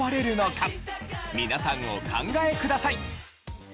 皆さんお考えください。